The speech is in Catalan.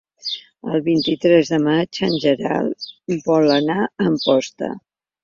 El vint-i-tres de maig en Gerard vol anar a Amposta.